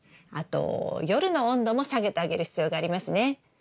あと夜の温度も下げてあげる必要がありますね。